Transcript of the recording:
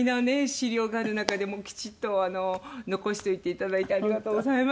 資料がある中できちっと残しておいていただいてありがとうございます。